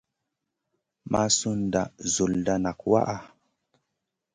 Ma sud nda nzolda nak waʼha.